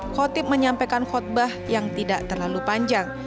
khotib menyampaikan khutbah yang tidak terlalu panjang